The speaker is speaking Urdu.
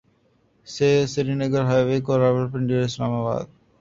سے سرینگر ہائی وے کو راولپنڈی اور اسلام آباد